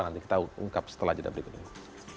nanti kita ungkap setelah jeda berikut ini